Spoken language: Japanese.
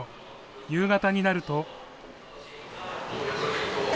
夕方になると。